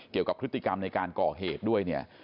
เกี่ยวกับพฤติกรรมในการก่อเหตุด้วยเนี่ย